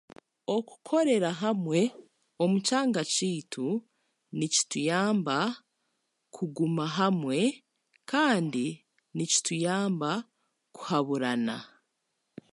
Okukorera hamwe omu kyanga kyaitu nikituyamba kuguma hamwe kandi nikituyamba kuhaburana